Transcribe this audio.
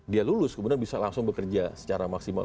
dia lulus kemudian bisa langsung bekerja secara maksimal